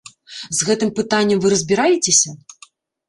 З гэтым пытаннем вы разбіраецеся?